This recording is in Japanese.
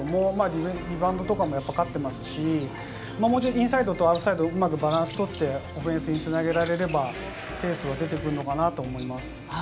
リバウンドとかも勝っていますし、インサイド、アウトサイド、うまくバランスを取ってオフェンスにつなげられれば、ペースは出てくるのかなと思います。